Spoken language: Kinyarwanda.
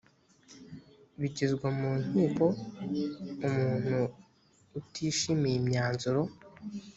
bigezwa mu nkiko umuntu utishimiye imyanzuro